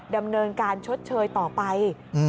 ดำเนินการชดเชยต่อไป